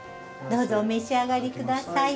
どうぞお召し上がり下さい。